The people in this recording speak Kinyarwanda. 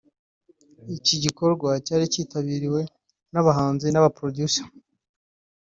Iki gikorwa cyari cyitabiriwe n’abahanzi n’aba Producer